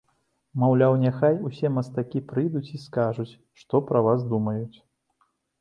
Маўляў, няхай усе мастакі прыйдуць і скажуць, што пра вас думаюць.